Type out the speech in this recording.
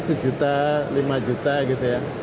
sejuta lima juta gitu ya